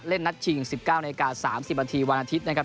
เล่นนัดชิงสิบเก้าในอากาศสามสิบนาทีวันอาทิตย์นะครับ